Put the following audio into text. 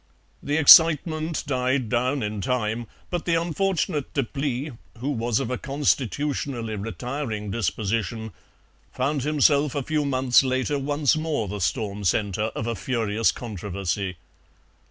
"The excitement died down in time, but the unfortunate Deplis, who was of a constitutionally retiring disposition, found himself a few months later, once more the storm centre of a furious controversy.